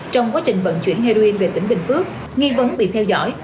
trong quá trình vận chuyển heroin về tỉnh bình phước nghi vấn bị theo dõi